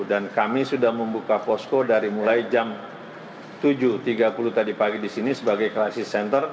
dan kami sudah membuka posko dari mulai jam tujuh tiga puluh tadi pagi di sini sebagai klasis center